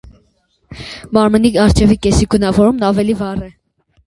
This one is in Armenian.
Մարմնի առջևի կեսի գունավորումն ավելի վառ է։